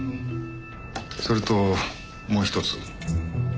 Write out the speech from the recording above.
それともう一つ。